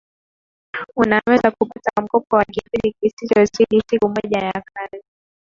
unaweza kupata mkopo wa kipindi kisichozidi siku moja ya kazi